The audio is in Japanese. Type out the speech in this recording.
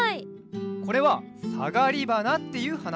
これはサガリバナっていうはな。